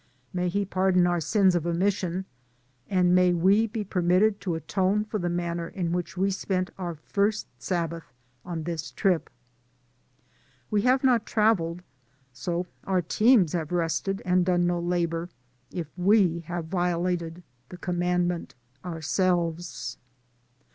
May he pardon our sins of omission, and may we be permitted to atone for the manner in which we spent our first Sabbath on this trip. We have not traveled, so our teams have rested and done no labor, if we have violated the commandment ourselves.